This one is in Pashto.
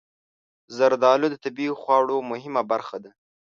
زردالو د طبعي خواړو مهمه برخه ده.